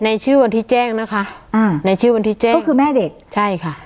ในชื่อวันที่แจ้งนะคะอ่าในชื่อวันที่แจ้งก็คือแม่เด็กใช่ค่ะ